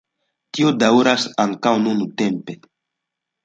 Tio daŭras ankaŭ nuntempe.